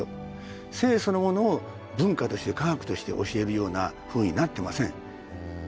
性そのものを文化として科学として教えるようなふうになってません。